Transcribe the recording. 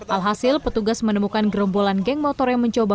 alhasil petugas menemukan gerombolan geng motor yang mencoba